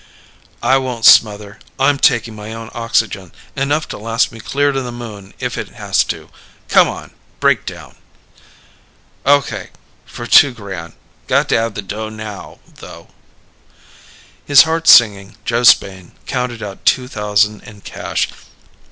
"I won't smother. I'm taking my own oxygen. Enough to last me clear to the Moon if it has to. Come on. Break down!" "Okay. For two grand. Got to have the dough now though." His heart singing, Joe Spain counted out two thousand in cash.